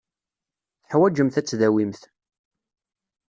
Teḥwajemt ad tdawimt.